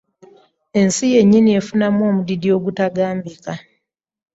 Ensi yennyini efunamu omudidi ogutagambika.